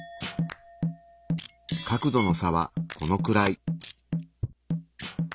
角度の差はこのくらい。